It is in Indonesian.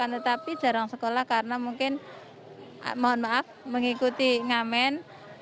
tetapi jarang sekolah karena mungkin mohon maaf mengikuti ngamen